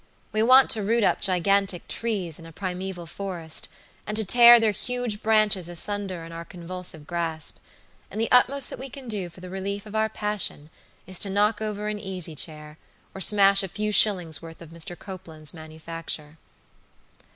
We want to root up gigantic trees in a primeval forest, and to tear their huge branches asunder in our convulsive grasp; and the utmost that we can do for the relief of our passion is to knock over an easy chair, or smash a few shillings' worth of Mr. Copeland's manufacture.